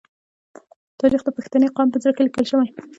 تاریخ د پښتني قام په زړه کې لیکل شوی.